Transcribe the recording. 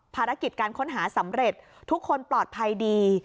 ภารกิจการค้นหาสำเร็จทุกคนปลอดภัยดี